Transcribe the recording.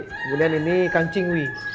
kemudian ini kang ching wee